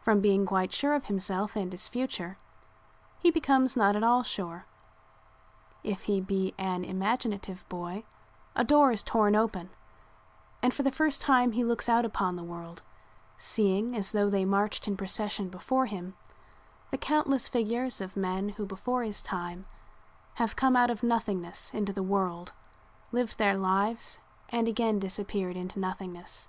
From being quite sure of himself and his future he becomes not at all sure. If he be an imaginative boy a door is torn open and for the first time he looks out upon the world, seeing, as though they marched in procession before him, the countless figures of men who before his time have come out of nothingness into the world, lived their lives and again disappeared into nothingness.